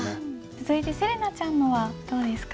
続いてせれなちゃんのはどうですか？